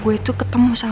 aduh mati gue